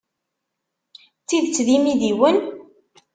D tidet d imidiwen?